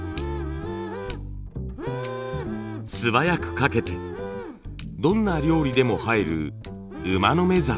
素早く描けてどんな料理でも映える馬の目皿。